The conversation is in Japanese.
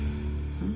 うん？